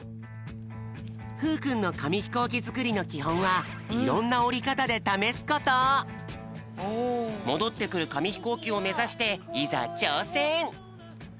ふうくんのかみひこうきづくりのきほんはもどってくるかみひこうきをめざしていざちょうせん！